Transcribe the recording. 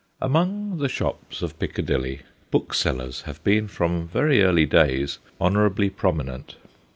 Among the shops of Piccadilly, booksellers have been from very early days honourably prominent.